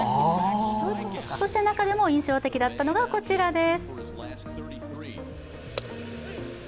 そして中でも印象的だったのがこちらです。